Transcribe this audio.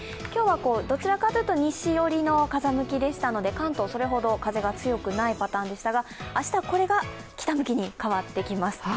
今日はどちらかというと西寄りの風向きでしたので、関東はそれほど風が強くないパターンでしたが、明日は、これが北向きに変わってきます。